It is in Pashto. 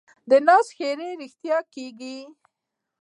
د ناز ښېرې رښتیا کېږي.